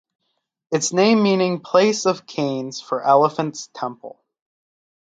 Its name meaning "place of canes for elephants temple".